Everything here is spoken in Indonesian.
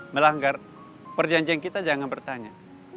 melanggar perjanjian kita jangan bertanya